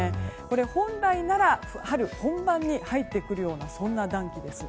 本来なら春本番に入ってくるような暖気です。